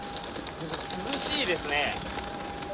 涼しいですね。